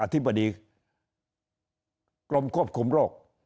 ธิบดีกรมควบคุมโรค